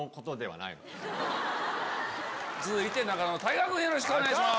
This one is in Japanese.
続いて仲野太賀君よろしくお願いします。